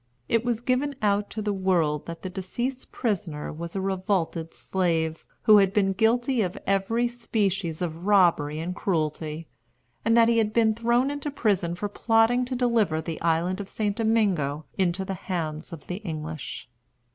It was given out to the world that the deceased prisoner was a revolted slave, who had been guilty of every species of robbery and cruelty; and that he had been thrown into prison for plotting to deliver the island of St. Domingo into the hands of the English.